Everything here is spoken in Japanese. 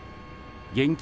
現金